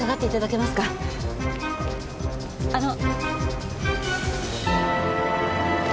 あの。